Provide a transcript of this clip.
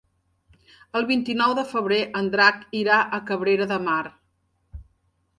El vint-i-nou de febrer en Drac irà a Cabrera de Mar.